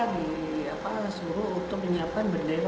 disuruh untuk menyiapkan bendera merah putih